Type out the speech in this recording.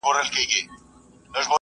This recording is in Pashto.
ښار د سوداګرو دی په یار اعتبار مه کوه